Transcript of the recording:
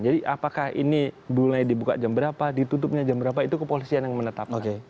jadi apakah ini dulunya dibuka jam berapa ditutupnya jam berapa itu kepolisian yang menetapkan